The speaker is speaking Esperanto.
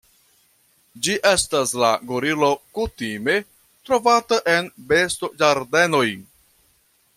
Ĝi estas la gorilo kutime trovata en bestoĝardenoj.